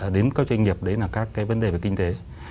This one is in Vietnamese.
đến các doanh nghiệp đấy là các cái vấn đề về kinh tế